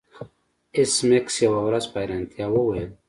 ایس میکس یوه ورځ په حیرانتیا وویل